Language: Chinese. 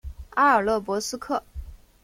阿尔勒博斯克。